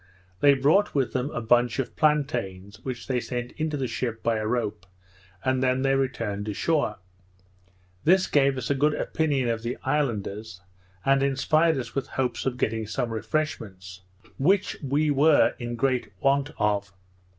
They brought with them a bunch of plantains, which they sent into the ship by a rope, and then they returned ashore. This gave us a good opinion of the islanders, and inspired us with hopes of getting some refreshments, which we were in great want of.